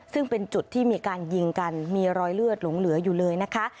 ซึ่งเป็นจุดที่มีการยิงกันมีรอยเลือดหลงเหลืออยู่เลยนะคะ